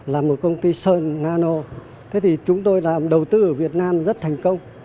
là một công ty sơn nano thế thì chúng tôi làm đầu tư ở việt nam rất thành công